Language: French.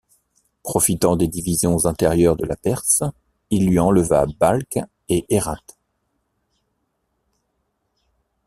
Profitant des divisions intérieures de la Perse, il lui enleva Balkh et Hérat.